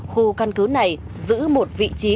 khu căn cứ này giữ một vị trí